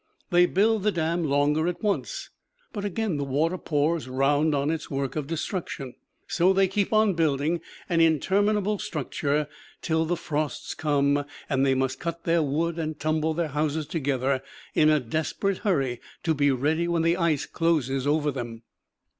They build the dam longer at once; but again the water pours round on its work of destruction. So they keep on building, an interminable structure, till the frosts come, and they must cut their wood and tumble their houses together in a desperate hurry to be ready when the ice closes over them.